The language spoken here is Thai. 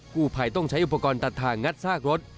กู้ภัยต้องใช้อุปกรณ์ตัดทางงัดซากรถ